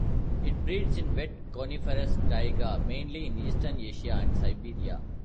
It breeds in wet coniferous taiga, mainly in eastern Asia and Siberia.